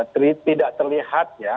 tidak terlihat ya